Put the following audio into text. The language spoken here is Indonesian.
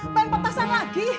pengen petasan lagi